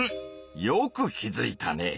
よく気づいたね。